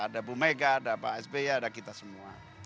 ada bu mega ada pak sby ada kita semua